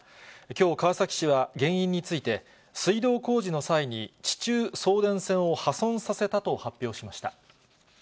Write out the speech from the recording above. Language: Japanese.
きょう、川崎市は原因について、水道工事の際に、地中送電線を破損させたと発表しました。